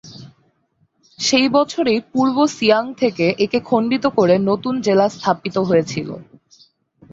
সেই বছরেই পূর্ব সিয়াং থেকে একে খণ্ডিত করে নতুন জেলা স্থাপিত হয়েছিল।